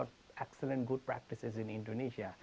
kita memiliki praktek yang bagus di indonesia